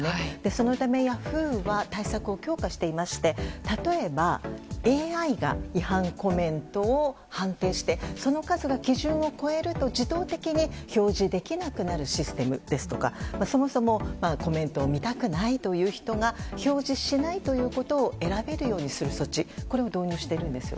そのためヤフーは対策を強化していまして例えばＡＩが違反コメントを発見してその数が基準を超えると自動的に表示できなくなるシステムですとかそもそもコメントを見たくないという人が表示しないということを選べるようにする措置を導入しているんです。